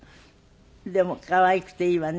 でも可愛くていいわね。